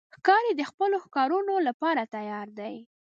ښکاري د خپلو ښکارونو لپاره تیار دی.